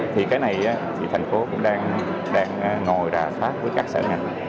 thì cái này thì thành phố cũng đang ngồi đà phát với các sở ngành